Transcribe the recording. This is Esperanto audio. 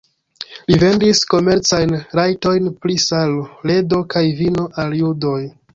Li vendis komercajn rajtojn pri salo, ledo kaj vino al judoj.